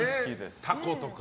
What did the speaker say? タコとか